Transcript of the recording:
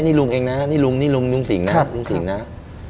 นี่ลุงเองนะนี่ลุงนี่ลุงลุงสิงนะลุงสิงนะ